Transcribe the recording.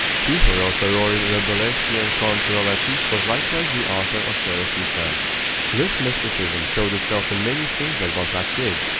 He who wrote the roaring Rabelaisian Contes Drolatiques was likewise the author of Seraphita. This mysticism showed itself in many things that Balzac did.